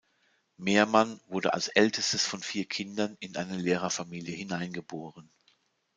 Meermann wurde als ältestes von vier Kindern in eine Lehrerfamilie hineingeboren.